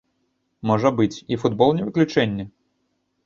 Можа быць, і футбол не выключэнне?